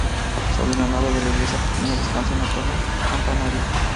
Sobre la nave de la iglesia pequeña descansa una torre campanario.